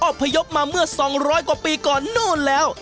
พยพมาเมื่อ๒๐๐กว่าปีก่อนนู่นแล้ว